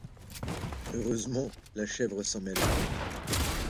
Heureusement la chèvre s'en mêla.